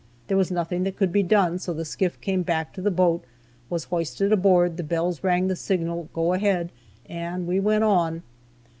There was nothing that could be done, so the skiff came back to the boat, was hoisted aboard, the bells rang the signal "go ahead," and we went on.